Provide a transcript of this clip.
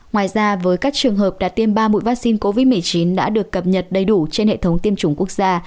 ngoài ra với các trường hợp đã tiêm ba mũi vaccine covid một mươi chín đã được cập nhật đầy đủ trên hệ thống tiêm chủng quốc gia